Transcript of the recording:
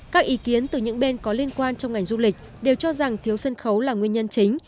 các ý kiến từ những bên có liên quan trong ngành du lịch đều cho rằng thiếu sân khấu là nguyên nhân chính